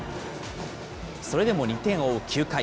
それでも２点を追う９回。